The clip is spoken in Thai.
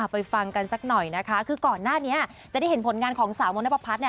ไปฟังกันสักหน่อยนะคะคือก่อนหน้านี้จะได้เห็นผลงานของสาวมณปพัฒน์